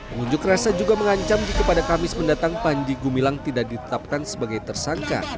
pengunjuk rasa juga mengancam jika pada kamis mendatang panji gumilang tidak ditetapkan sebagai tersangka